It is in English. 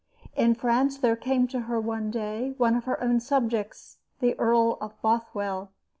In France there came to her one day one of her own subjects, the Earl of Bothwell.